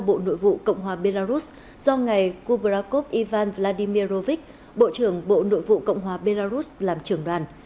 bộ nội vụ cộng hòa belarus do ngày kubrakov ivan vladimirovich bộ trưởng bộ nội vụ cộng hòa belarus làm trưởng đoàn